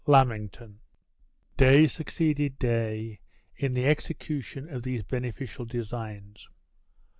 Lammington. Day succeeded day in the execution of these beneficial designs.